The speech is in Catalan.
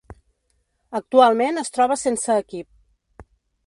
Actualment es troba sense equip.